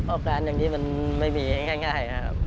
การอย่างนี้มันไม่มีง่ายนะครับ